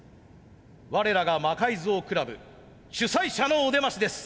我らが魔改造クラブ主催者のお出ましです！